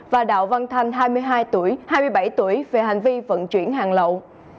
và đạo văn thanh hai mươi hai tuổi hai mươi bảy tuổi về hành vi vận chuyển hàng lậu